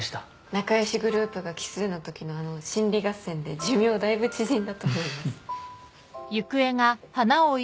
仲良しグループが奇数のときのあの心理合戦で寿命だいぶ縮んだと思います。